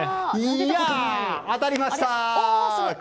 当たりました！